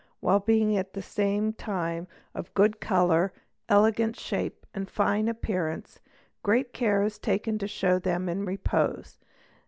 while being at the same time of good colour, elegant _ shape, and fine appearance, great care is taken to show them in repose.